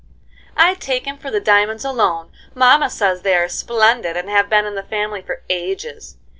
"I'd take him for the diamonds alone. Mamma says they are splendid, and have been in the family for ages.